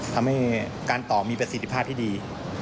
ทำให้การต่อมีประสิทธิภาพที่ดี